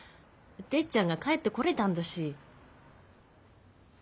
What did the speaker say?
てっちゃんが帰ってこれたんだし。